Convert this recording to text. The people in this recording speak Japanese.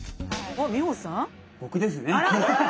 僕ですね